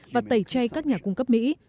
và tẩy chay các sản phẩm của mỹ